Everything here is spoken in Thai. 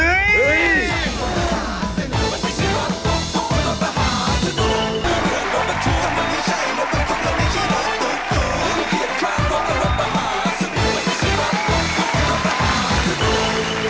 ไปค่ะ